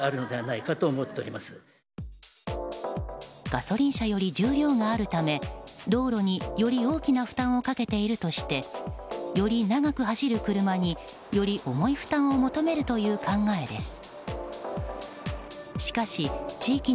ガソリン車より重量があるため道路に、より大きな負担をかけているとしてより長く走る車により重い負担を求めるという考えです。